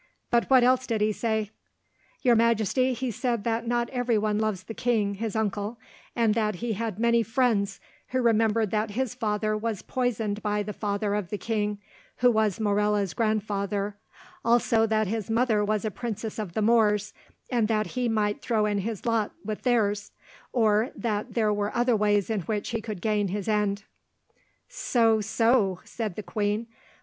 But what else did he say?" "Your Majesty, he said that not every one loves the king, his uncle; that he had many friends who remembered that his father was poisoned by the father of the king, who was Morella's grandfather; also, that his mother was a princess of the Moors, and that he might throw in his lot with theirs, or that there were other ways in which he could gain his end." "So, so," said the queen.